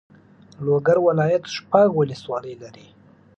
لوګر ولایت شپږ والسوالۍ لري.